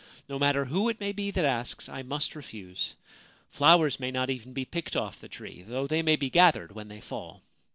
No matter who it may be that asks, I must refuse. Flowers may not even be picked off the tree, though they may be gathered when they fall.